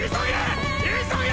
急げ！！